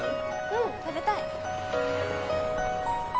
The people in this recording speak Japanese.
うん食べたい